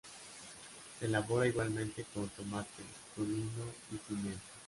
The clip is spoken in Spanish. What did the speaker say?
Se elabora igualmente con tomate, comino y pimienta.